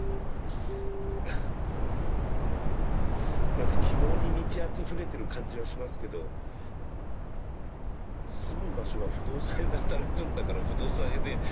何か希望に満ちあふれてる感じはしますけど住む場所は不動産屋で働くんだから不動産屋で聞いた方がいいよね。